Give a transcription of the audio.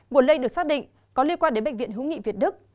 nguồn lây được xác định có liên quan đến bệnh viện hữu nghị việt đức